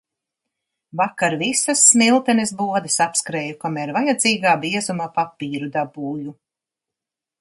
Vakar visas Smiltenes bodes apskrēju, kamēr vajadzīgā biezuma papīru dabūju.